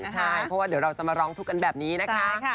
ใช่เพราะว่าเดี๋ยวเราจะมาร้องทุกข์กันแบบนี้นะคะ